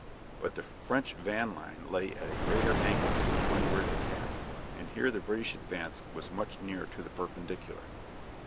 But the French van line lay at a greater angle to the windward attack, and here the British advance was much nearer the perpendicular.